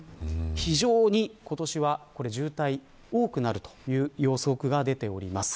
非常に今年は渋滞が多くなるという予測が出ております。